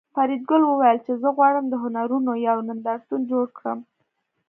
فریدګل وویل چې زه غواړم د هنرونو یو نندارتون جوړ کړم